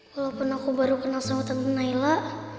walaupun aku baru kenal sama tante naila